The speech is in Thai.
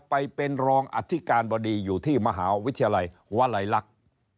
ไปเป็นรองอธิการบดีอยู่ที่มหาวิทยาลัยวลัยลักษณ์